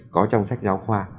có trong sách giáo khoa